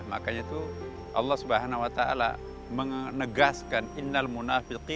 makanya itu allah swt menegaskan